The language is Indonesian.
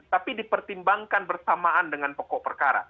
tapi dipertimbangkan bersamaan dengan pokok perkara